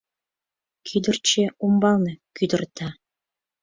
Кӱдырчӧ умбалне кӱдырта.